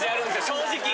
正直。